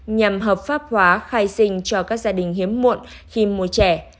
nhằm hợp pháp hóa khai sinh cho các gia đình hiếm muộn khi mua trẻ